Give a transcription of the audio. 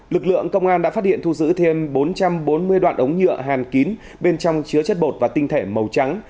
lực lượng công an đã phát hiện thu giữ thêm bốn trăm bốn mươi đoạn ống nhựa hàn kín bên trong chứa chất bột và tinh thể màu trắng